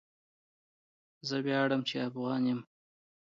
زه ویاړم چی افغان يم